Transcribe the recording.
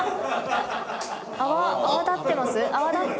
泡泡立ってます？